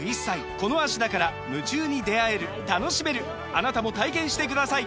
あなたも体験してください！